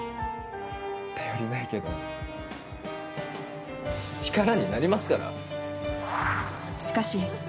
頼りないけど力になりますから。